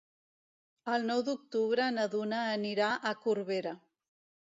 El nou d'octubre na Duna anirà a Corbera.